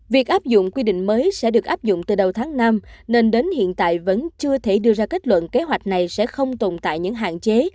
việc áp dụng quy định mới sẽ được áp dụng từ đầu tháng năm nên đến hiện tại vẫn chưa thể đưa ra kết luận kế hoạch này sẽ không tồn tại những hạn chế